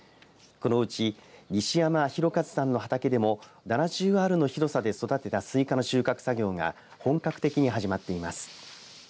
このうち西山弘一さんの畑でも７０アールの広さで育てたスイカの収穫作業が本格的に始まっています。